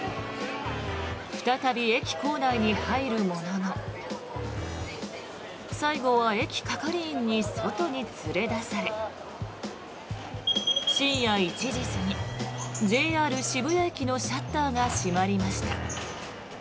再び駅構内に入るものの最後は駅係員に外に連れ出され深夜１時過ぎ、ＪＲ渋谷駅のシャッターが閉まりました。